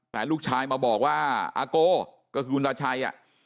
แต่ลูกชายมาบอกว่าอาโกก็คือคุณตาชัย